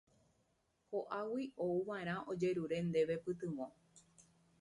Ko'águi ouva'erã ojerure ndéve pytyvõ.